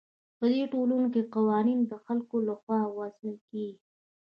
په دې دولتونو کې قوانین د خلکو له خوا وضع کیږي.